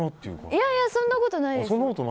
いやいや、そんなことないです。